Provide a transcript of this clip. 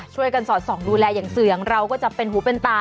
ช่วยกันสอดส่องดูแลอย่างเสื่ออย่างเราก็จับเป็นหูเป็นตา